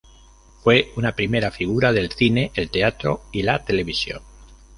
Fue una primera figura del cine, el teatro y la televisión.